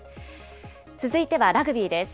続いてはラグビーです。